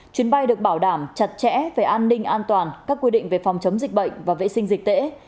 chuyến bay được bảo đảm chặt chẽ về an ninh an toàn các quy định về phòng chống dịch bệnh và vệ sinh dịch tễ